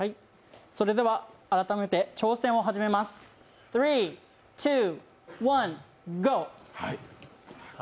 それでは改めて挑戦を始めます、３、２、１、ゴー。